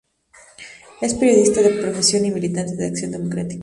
Es periodista de profesión y militante de Acción Democrática.